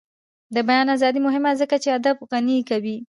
د بیان ازادي مهمه ده ځکه چې ادب غني کوي.